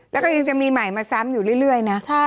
แล้วก็ยังจะมีใหม่มาซ้ำอยู่เรื่อยนะ